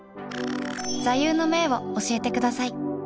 座右の銘を教えてください